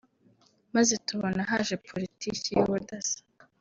maze tubona haje politiki y’ubudasa